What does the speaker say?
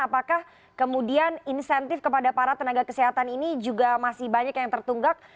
apakah kemudian insentif kepada para tenaga kesehatan ini juga masih banyak yang tertunggak